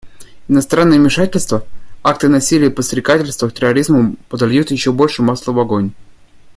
Иностранное вмешательство, акты насилия и подстрекательство к терроризму подольют еще больше масла в огонь.